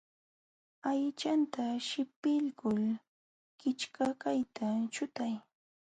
Aychanta sillpiykul kichkakaqta chutay.